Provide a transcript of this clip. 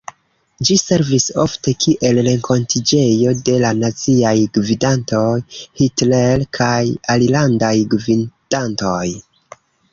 Ĝi servis ofte kiel renkontiĝejo de la naziaj gvidantoj, Hitler kaj alilandaj gvidantoj.